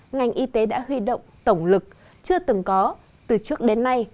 ngành y tế đã huy động tổng lực chưa từng có từ trước đến nay